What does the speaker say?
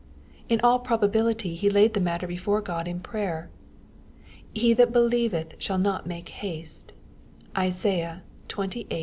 In all probability he laid the matter before Qod in prayer. '^ He that believeth shall not make haste/' (Isaiah xxviii.